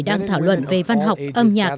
đang thảo luận về văn học âm nhạc